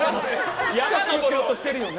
山登ろうとしてるよね。